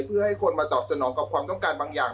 เพื่อให้คนมาตอบสนองกับความต้องการบางอย่าง